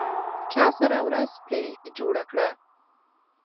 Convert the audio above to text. چا سره ورځ پرې جوړه کړه؟